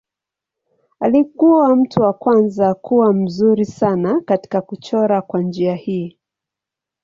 Alikuwa mtu wa kwanza kuwa mzuri sana katika kuchora kwa njia hii.